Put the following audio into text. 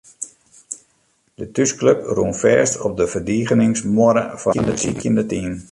De thúsklup rûn fêst op de ferdigeningsmuorre fan it besykjende team.